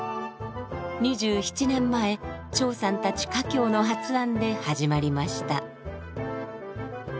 ２７年前張さんたち華僑の発案で始まりました。